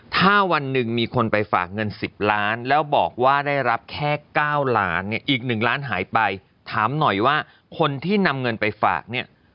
ถามหน่อยว่าคนที่นำเงินไปฝากเนี่ย